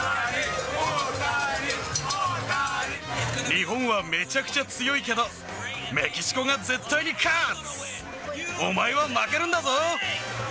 日本はめちゃくちゃ強いけど、メキシコが絶対に勝つ！